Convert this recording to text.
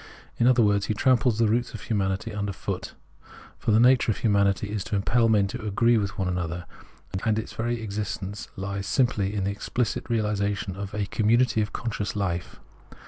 In other words, he tramples the roots of humanity under foot. For the nature of hiunanity is to impel men to agree with one another, and its very existence hes simply in the exphcit reahsation of a community of conscious life.